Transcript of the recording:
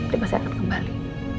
dia pasti akan kembali